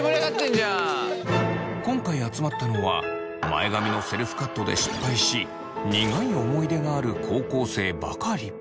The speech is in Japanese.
今回集まったのは前髪のセルフカットで失敗し苦い思い出がある高校生ばかり。